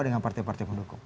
dengan partai partai pendukung